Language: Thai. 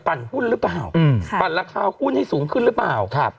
หุ้นหรือเปล่าปั่นราคาหุ้นให้สูงขึ้นหรือเปล่าครับ